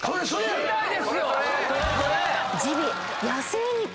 知りたいですよ！